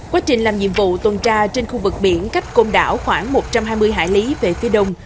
quá trình làm nhiệm vụ tuần tra trên khu vực biển cách công đảo khoảng một trăm hai mươi hải lý về phía đông